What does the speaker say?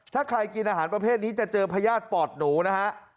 ถ้าใครกินอาหารประเภทนี้จะเจอพญาติปอดหนูนะฮะ